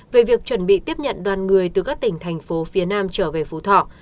về việc chuẩn bị tiếp nhận đón người từ các tỉnh thành phố phi nam trở về phú thọ